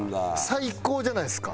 最高じゃないですか？